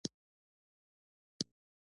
او په دوا باندې یې پوهیدل هم ستونزمنه ده